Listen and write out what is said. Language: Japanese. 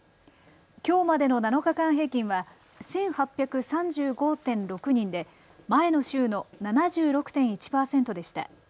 きょうまでの７日間平均は１８３５．６人で前の週の７６．１％でした。